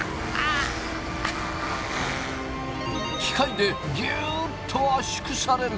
機械でぎゅっと圧縮される。